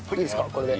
これで。